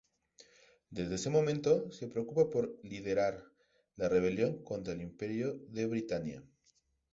Desde ese momento, se preocupa por liderar la rebelión contra el imperio de Britannia.